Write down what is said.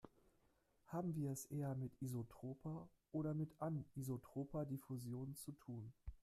Haben wir es eher mit isotroper oder mit anisotroper Diffusion zu tun?